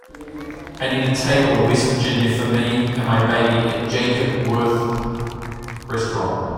I need a table in West Virginia for me and my baby at Jacob Wirth Restaurant